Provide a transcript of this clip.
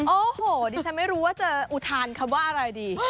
โอ้โหดิฉันไม่รู้ว่าจะอุทานคำว่าอะไรดี